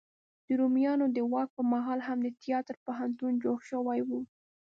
د رومیانو د واک په مهال هم د تیاتر پوهنتون جوړ شوی و.